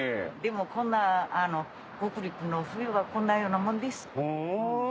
でも北陸の冬はこんなようなもんです。